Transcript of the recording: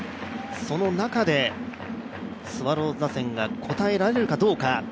その中でスワローズ打線が応えられるかどうか。